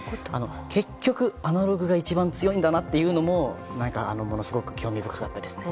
結局、アナログが一番強いだなというのもものすごく興味深かったですね。